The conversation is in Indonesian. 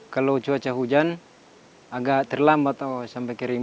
kalau cuaca hujan agak terlambat sampai kering